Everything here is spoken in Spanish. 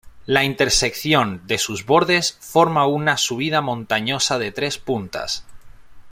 La intersección de sus bordes forma una subida montañosa de tres puntas.